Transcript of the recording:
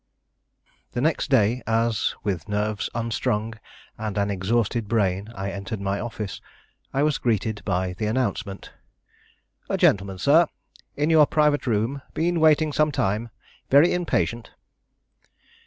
The next day as, with nerves unstrung and an exhausted brain, I entered my office, I was greeted by the announcement: "A gentleman, sir, in your private room been waiting some time, very impatient."